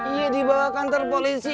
iya dibawa kantor polisi